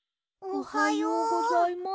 おはようございます。